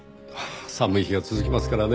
寒い日が続きますからね。